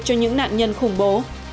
cho những nạn nhân khủng bố